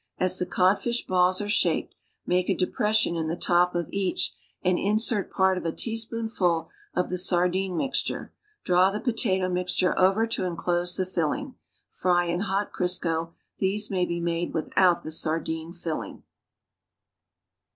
As the codfish balls are shaped, make a depression in the top of each and insert part of a teaspoonful of the sardine mixture; draw the potato mix ture over to enclose the filling. Fry in hot Crisco. These may be made with out the sardine filling.